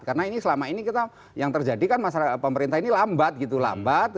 karena ini selama ini kita yang terjadi kan masalah pemerintah ini lambat gitu lambat